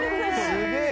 すげえ！